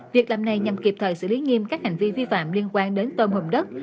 việc làm này nhằm kịp thời xử lý nghiêm các hành vi vi phạm liên quan đến tôm hùm đất